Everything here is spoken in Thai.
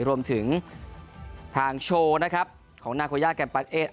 รวมถึงทางโชว์นะครับของนาโคย่าแกมปั๊กเอส